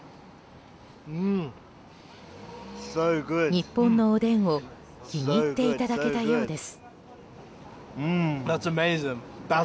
日本のおでんを気に入っていただけたようです。